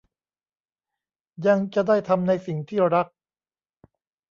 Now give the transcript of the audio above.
ยังจะได้ทำในสิ่งที่รัก